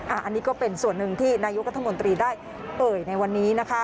อันนี้ก็เป็นส่วนหนึ่งที่นายกรัฐมนตรีได้เอ่ยในวันนี้นะคะ